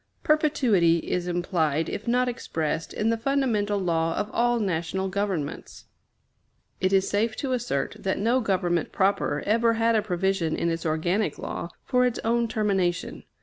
Perpetuity is implied, if not expressed, in the fundamental law of all national governments. It is safe to assert that no government proper ever had a provision in its organic law for its own termination.